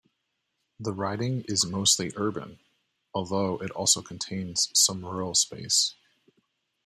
The riding is mostly urban, although it also includes some rural space.